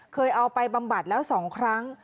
เคยเอาไปบำบัดแล้ว๒ครั้ง